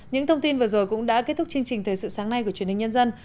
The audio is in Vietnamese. những thông tin vừa rồi cũng đã kết thúc chương trình thời sự sáng nay của truyền hình nhân dân